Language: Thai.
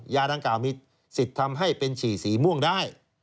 ดังกล่าวมีสิทธิ์ทำให้เป็นฉี่สีม่วงได้